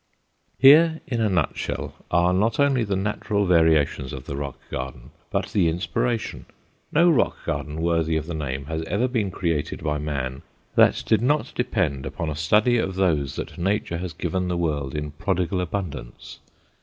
Here, in a nutshell, are not only the natural variations of the rock garden, but the inspiration. No rock garden worthy of the name has ever been created by man that did not depend upon a study of those that nature has given the world in prodigal abundance.